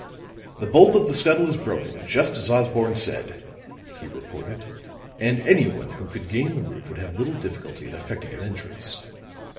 "The bolt of the scuttle is broken, just as Osborne said," he reported. "And anyone who could gain the roof would have little difficulty in effecting an entrance."